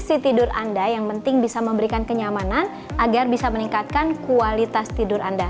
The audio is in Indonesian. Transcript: posisi tidur anda yang penting bisa memberikan kenyamanan agar bisa meningkatkan kualitas tidur anda